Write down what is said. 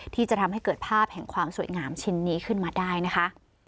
ที่จะทำให้เกิดภาพแห่งความสวยงามชิ้นนี้ขึ้นมาได้นะคะ